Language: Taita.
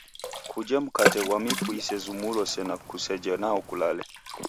Kuje mkate ghwa mifu isezumulo sena kuseje nwao kulale.